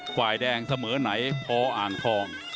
ฝ่ายแดงเสมอไหนพออ่างทอง